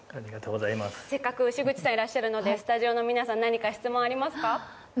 せっかく牛口さんいらっしゃるので、スタジオの皆さん質問ありますか？